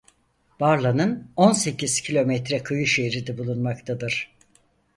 Barla'nın on sekiz kilometre kıyı şeridi bulunmaktadır.